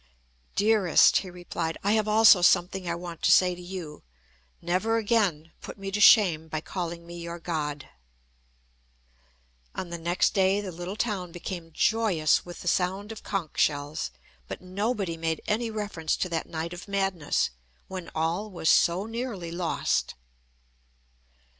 "Dearest," he replied, "I have also something I want to say to you. Never again put me to shame by calling me your God." On the next day the little town became joyous with sound of conch shells. But nobody made any reference to that night of madness, when all was so nearly lost.